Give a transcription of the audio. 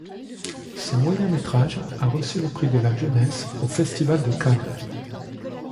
Ce moyen métrage a reçu le prix de la jeunesse au Festival de Cannes.